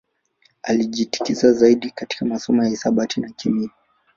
Alijikita zaidi katika masomo ya hisabati na kemia